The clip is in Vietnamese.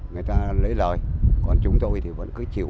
người ta lấy lời còn chúng tôi thì vẫn cứ chịu